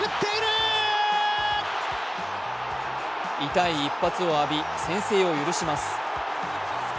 痛い一発を浴び先制を許します。